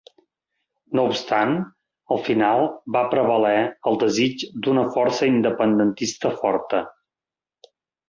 No obstant, al final va prevaler el desig d'una força independentista forta.